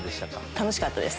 楽しかったです。